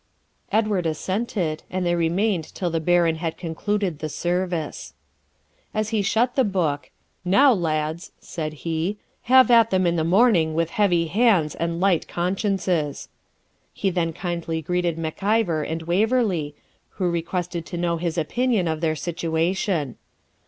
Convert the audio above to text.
Edward assented, and they remained till the Baron had concluded the service. As he shut the book, 'Now, lads,' said he, 'have at them in the morning with heavy hands and light consciences.' He then kindly greeted Mac Ivor and Waverley, who requested to know his opinion of their situation.